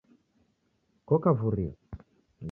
koka Vuria?